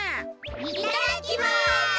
いただきます！